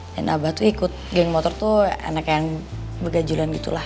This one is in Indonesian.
dan abah tuh ikut gang motor tuh anak yang begajulan gitu lah